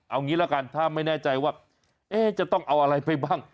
เอางี้ละกันถ้าไม่แน่ใจว่าจะต้องเอาอะไรไปบ้าง